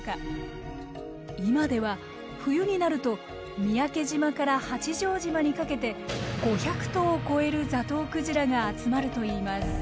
今では冬になると三宅島から八丈島にかけて５００頭を超えるザトウクジラが集まるといいます。